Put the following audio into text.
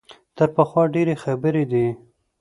تر پخوا ډېرې خبرې دي.